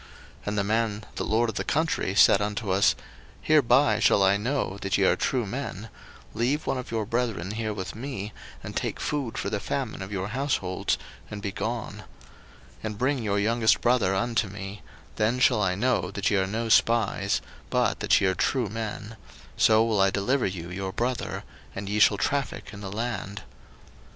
01:042:033 And the man, the lord of the country, said unto us, Hereby shall I know that ye are true men; leave one of your brethren here with me, and take food for the famine of your households, and be gone: 01:042:034 And bring your youngest brother unto me: then shall I know that ye are no spies, but that ye are true men: so will I deliver you your brother, and ye shall traffick in the land.